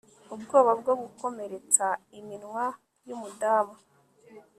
Ubwoba bwo gukomeretsa iminwa yumudamu